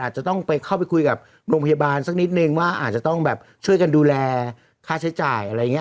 จะต้องเข้าไปคุยกับโรงพยาบาลสักนิดนึงว่าอาจจะต้องแบบช่วยกันดูแลค่าใช้จ่ายอะไรอย่างนี้